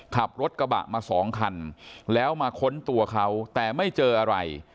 ขับรถกระบะมาสองคันแล้วมาค้นตัวเขาแต่ไม่เจออะไร